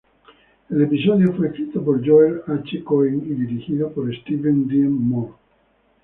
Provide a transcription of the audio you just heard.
El episodio fue escrito por Joel H. Cohen y dirigido por Steven Dean Moore.